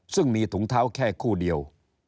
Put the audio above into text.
ซึ่งมีถุงเท้าแค่คู่เดียว